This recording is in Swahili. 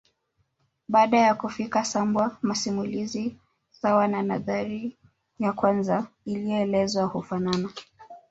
Baada ya kufika Sambwa masimulizi sawa na nadhari ya kwanza iliyoelezwa hufanana